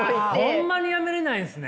ホンマにやめれないんですね。